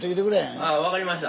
ああ分かりました。